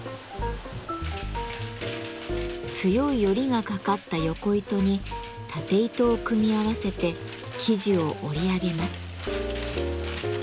強いヨリがかかったヨコ糸にタテ糸を組み合わせて生地を織り上げます。